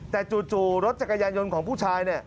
แต่จู่รถจักรยานยนต์ของผู้ชายเนี่ย